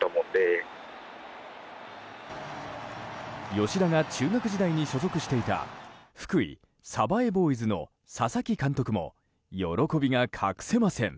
吉田が中学時代に所属していた福井・鯖江ボーイズの佐々木監督も喜びが隠せません。